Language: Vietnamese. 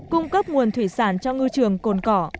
cung cấp nguồn thủy sản cho ngư trường cồn cỏ